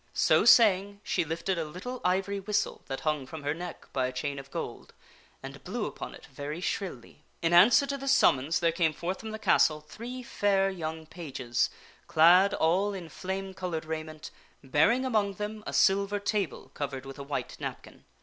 So saying, she lifted a little ivory whistle that hung from her neck by a chain of gold, and blew upon it very shrilly. In answer to this summons there came forth from the castle three fair young pages, clad all in flame colored raiment, bearing among them a silver table covered with a white napkin.